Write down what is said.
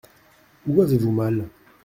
Où avez-vous mal ?